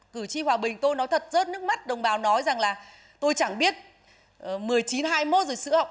cử tri hòa bình tôi nói thật rớt nước mắt đồng bào nói rằng là tôi chẳng biết một mươi chín hai mươi một rồi sữa học